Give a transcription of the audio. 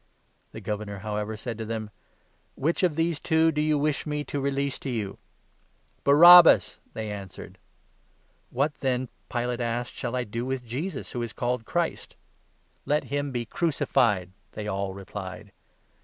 The Governor, how ever, said to them :'' Which of these two do you wish me to release for you ?"" Barabbas," they answered. "What then," Pilate asked, "shall I do with Jesus who is called ' Christ '?"" Let him be crucified," they all replied.